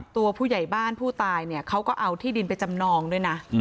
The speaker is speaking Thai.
ตัวผู้ใหญ่บ้านผู้ตายเนี่ยเขาก็เอาที่ดินไปจำนองด้วยนะ